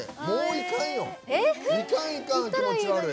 行かん、行かん気持ち悪い！